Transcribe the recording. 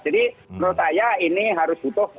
jadi menurut saya ini harus butuh